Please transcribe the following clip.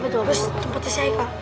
terus tempatnya si aika